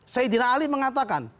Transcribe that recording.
saidina ali mengatakan